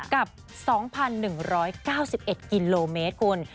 กับ๒๑๙๑กิโลเมตรคุณ